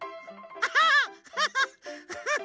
アハハ！